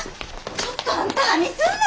ちょっとあんた何すんねん！